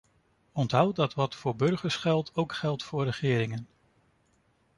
Onthoud dat wat voor burgers geldt, ook geldt voor regeringen.